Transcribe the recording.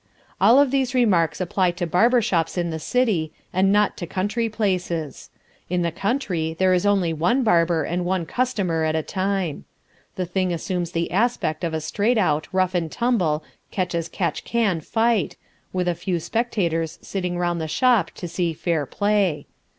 All of these remarks apply to barber shops in the city, and not to country places. In the country there is only one barber and one customer at a time. The thing assumes the aspect of a straight out, rough and tumble, catch as catch can fight, with a few spectators sitting round the shop to see fair play.